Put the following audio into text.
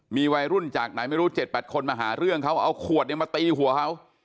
มีวัยรุ่นจากไหนไม่รู้๗๘คนมาหาเรื่องเขาเอาขวดเนี่ยมาตีหัวเขา